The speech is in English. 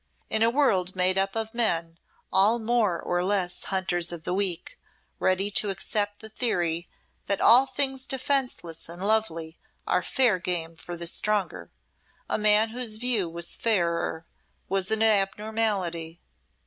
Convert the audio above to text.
In a world made up of men all more or less hunters of the weak, ready to accept the theory that all things defenceless and lovely are fair game for the stronger, a man whose view was fairer was an abnormality.